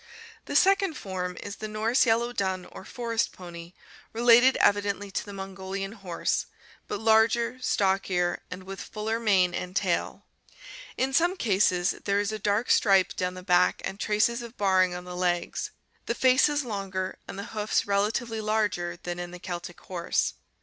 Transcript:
The second form is the Norse yellow dun or forest pony, related evidently to the Mongolian horse, but larger, stockier, and with fuller mane and tail. In some cases there is a dark stripe down the back and traces of barring on the legs. The face is longer and the hoofs relatively larger than in the Celtic horse.